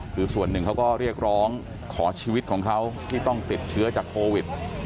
คือส่วนหนึ่งเขาก็เรียกร้องขอชีวิตของเขาที่ต้องติดเชื้อจากโควิด